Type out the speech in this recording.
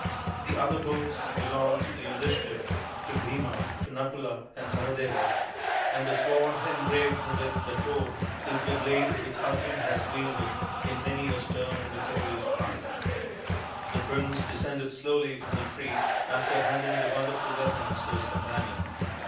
The other bows belonged to Yudhishthir, to Bhima, to Nakula, and Sahadeva, and the sword engraved 96 THE INDIAN STORY BOOK with the toad is the blade which Arjun has wielded in many a stern and victorious fight." The prince descended slowly from the tree after handing the wonderful weapons to his companion.